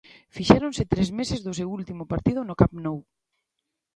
Fixéronse tres meses do seu último partido no Camp Nou.